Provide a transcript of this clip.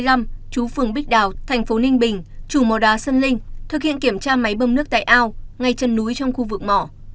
lãnh đạo tp ninh bình chủ mỏ đá sơn linh thực hiện kiểm tra máy bơm nước tại ao ngay chân núi trong khu vực mỏ